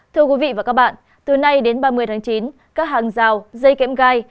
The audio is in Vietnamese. thưa quý vị và các bạn từ nay đến ba mươi tháng chín các hàng rào dây kẽm gai